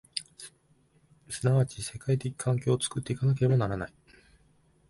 即ち世界的環境を作って行かなければならない。